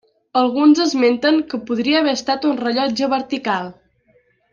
Alguns esmenten que podria haver estat un rellotge vertical.